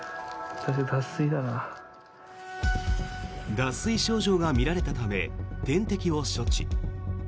脱水症状が見られたため点滴を処置。